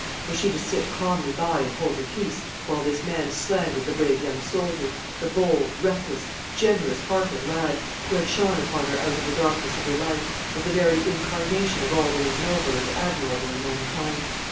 Was she to sit calmly by and hold her peace while this man slandered the brave young soldier, the bold, reckless, generous hearted lad, who had shone upon her out of the darkness of her life, as the very incarnation of all that is noble and admirable in mankind?